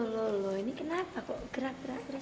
lolo ini kenapa kok gerak gerak